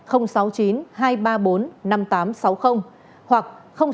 hoặc sáu mươi chín hai trăm ba mươi hai một nghìn sáu trăm sáu mươi bảy